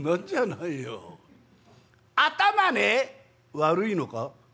「悪いのか？」。